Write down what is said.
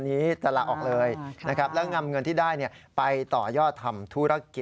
พี่ถูกเลขไหมเขาบอกว่าถูก